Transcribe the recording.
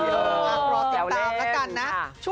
รอติดตามแล้วกันนะ